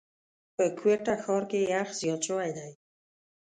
په کوټه ښار کي یخ زیات شوی دی.